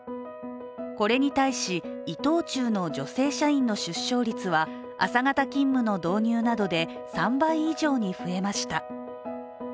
これに対し、伊藤忠の女性社員の出生率は朝型勤務の導入などで３倍以上に増えました。